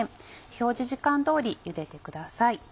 表示時間通りゆでてください。